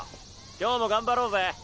今日も頑張ろうぜ！